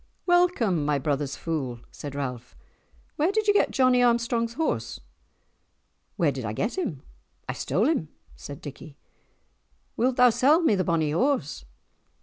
"Welcome, my brother's fool!" said Ralph. "Where did ye get Johnie Armstrong's horse?" "Where did I get him? I stole him," said Dickie. "Wilt thou sell me the bonny horse?"